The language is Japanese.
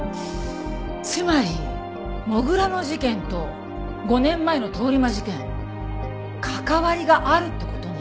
つまり土竜の事件と５年前の通り魔事件関わりがあるって事ね？